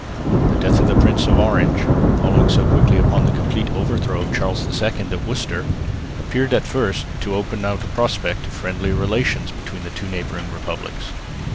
The death of the Prince of Orange, following so quickly upon the complete overthrow of Charles II at Worcester, appeared at first to open out a prospect of friendlier relations between the two neighbouring republics.